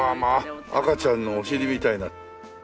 赤ちゃんのお尻みたいな。